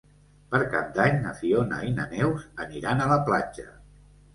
Per Cap d'Any na Fiona i na Neus aniran a la platja.